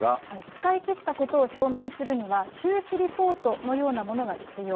使い切ったことを証明するには、収支リポートのようなものが必要。